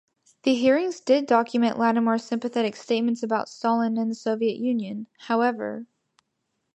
The hearings did document Lattimore's sympathetic statements about Stalin and the Soviet Union, however.